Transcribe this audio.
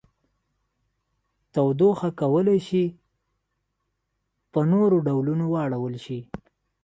تودوخه کولی شي په نورو ډولونو واړول شي.